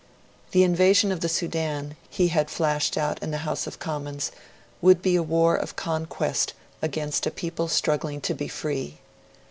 The invasion of the Sudan, he had flashed out in the House of Commons, would be a war of conquest against a people struggling to be free.